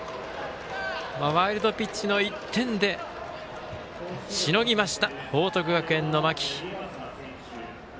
ワイルドピッチの１点でしのぎました報徳学園の間木。